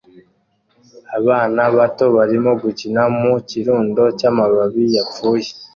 Abana bato barimo gukina mu kirundo cy'amababi yapfuye